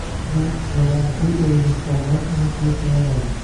bu yomon pul o‘yini hisoblanib, uni qilish yaramaydi.